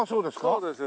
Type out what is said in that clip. そうです。